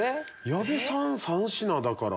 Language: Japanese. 矢部さん３品だから。